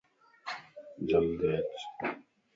جلدي اچ